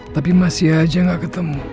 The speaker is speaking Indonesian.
tapi masih aja gak ketemu